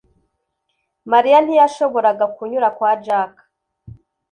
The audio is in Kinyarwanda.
Mariya ntiyashoboraga kunyura kwa Jack